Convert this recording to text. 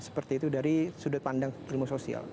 seperti itu dari sudut pandang ilmu sosial